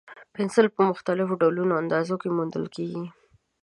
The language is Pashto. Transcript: پنسل په مختلفو ډولونو او اندازو کې موندل کېږي.